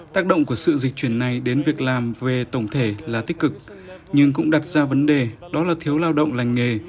tác động của sự dịch chuyển này đến việc làm về tổng thể là tích cực nhưng cũng đặt ra vấn đề đó là thiếu lao động lành nghề